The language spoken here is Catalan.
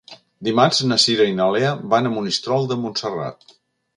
Dimarts na Cira i na Lea van a Monistrol de Montserrat.